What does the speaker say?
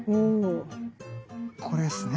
これっすね。